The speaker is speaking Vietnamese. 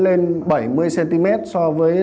lên bảy mươi cm so với